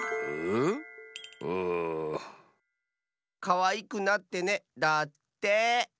「かわいくなってね」だって。